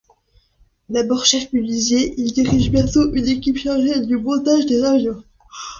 D’abord chef menuisier, il dirige bientôt une équipe chargée du montage des avions.